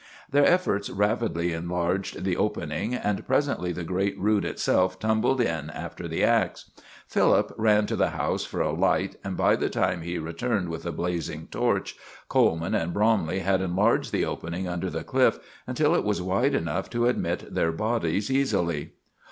Their efforts rapidly enlarged the opening, and presently the great root itself tumbled in after the ax. Philip ran to the house for a light, and by the time he returned with a blazing torch, Coleman and Bromley had enlarged the opening under the cliff until it was wide enough to admit their bodies easily.